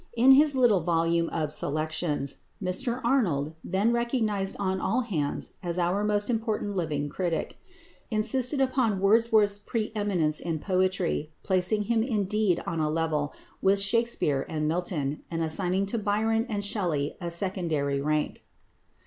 In his little volume of "Selections" Mr Arnold, then recognised on all hands as our most important living critic, insisted upon Wordsworth's pre eminence in poetry, placing him indeed on a level with Shakspere and Milton, and assigning to Byron and Shelley a secondary rank.